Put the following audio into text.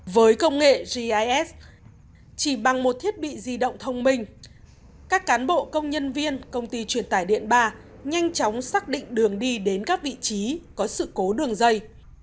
với công nghệ gis chỉ bằng một thiết bị di động thông minh các cán bộ công nhân viên công ty truyền tải điện ba nhanh chóng xác định đường đi đến các vị trí có sự cố đường dây